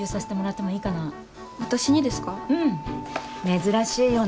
珍しいよね